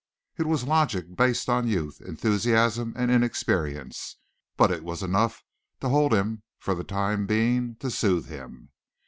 It was logic based on youth, enthusiasm and inexperience, but it was enough to hold him for the time being to soothe him.